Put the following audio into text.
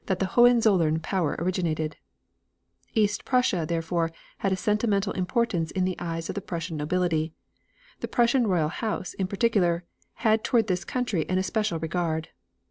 ] THE EASTERN FIGHTING ZONE East Prussia, therefore, had a sentimental importance in the eyes of the Prussian nobility. The Prussian Royal House, in particular, had toward this country an especial regard.